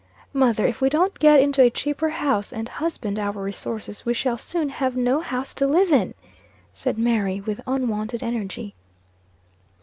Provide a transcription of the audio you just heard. "Mother, if we don't get into a cheaper house and husband our resources, we shall soon have no house to live in!" said Mary, with unwonted energy.